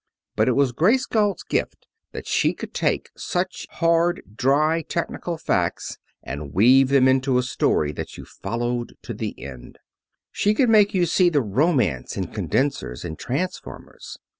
But it was Grace Galt's gift that she could take just such hard, dry, technical facts and weave them into a story that you followed to the end. She could make you see the romance in condensers and transformers.